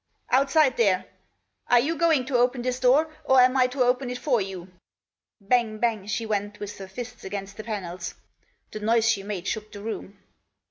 Outside there ! Are you going to open this door, or am I to open it for you ?" Bang, bang she went with her fists against the panels. The noise she made shook the room.